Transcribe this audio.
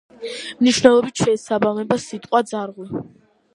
მნიშვნელობით შეესაბამება სიტყვას „ძარღვი“.